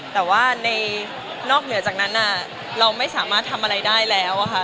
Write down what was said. แต่ว่าในนอกเหนือจากนั้นเราไม่สามารถทำอะไรได้แล้วค่ะ